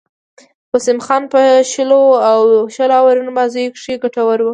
وسیم خان په شلو آورونو بازيو کښي ګټور وو.